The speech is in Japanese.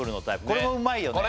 これもうまいよね